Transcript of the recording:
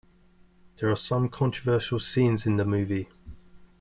There are some controversial scenes in the movie.